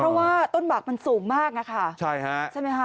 เพราะว่าต้นหมากมันสูงมากอะค่ะใช่ฮะใช่ไหมคะ